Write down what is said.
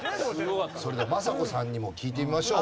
それでは政子さんにも聞いてみましょう。